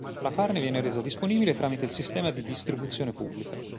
La carne viene resa disponibile tramite il sistema di distribuzione pubblica.